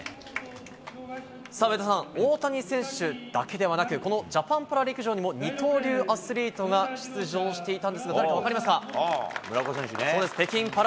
さあ、上田さん、大谷選手だけではなく、このジャパンパラ陸上にも二刀流アスリートが出場していたんです